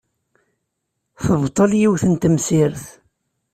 Tebṭel yiwet n temsirt.